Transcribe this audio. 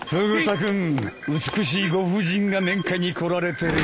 君美しいご婦人が面会に来られてるよ。